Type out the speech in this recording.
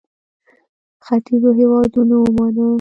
ختیځو هېوادونو ومانه.